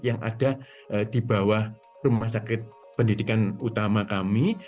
yang ada di bawah rumah sakit pendidikan utama kami